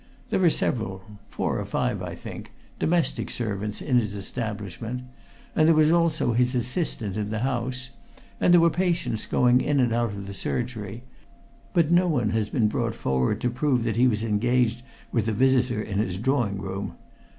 There are several four or five, I think domestic servants in his establishment, and there was also his assistant in the house, and there were patients going in and out of the surgery, but no one has been brought forward to prove that he was engaged with a visitor in his drawing room.